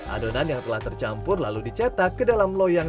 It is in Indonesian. adonan yang telah tercampur lalu dicetak ke dalam loyang